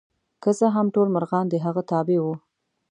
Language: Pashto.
که څه هم ټول مرغان د هغه تابع وو.